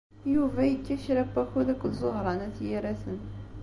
Yuba yekka kra n wakud akked Ẓuhṛa n At Yiraten.